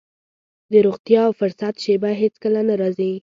د روغتيا او فرصت شېبه هېڅ کله نه راځي.